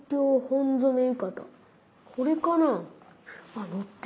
これかな？